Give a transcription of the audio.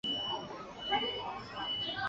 海南罗汉松为罗汉松科罗汉松属的植物。